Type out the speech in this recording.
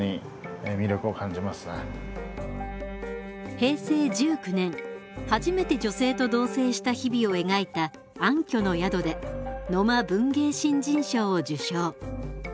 平成１９年初めて女性と同せいした日々を描いた「暗渠の宿」で野間文芸新人賞を受賞。